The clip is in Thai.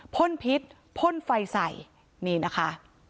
พ่นพิษพ่นไฟใส่นี่นะคะ